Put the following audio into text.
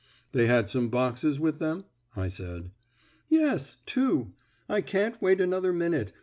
"They had some boxes with them?" I said. "Yes, two. I can't wait another minute.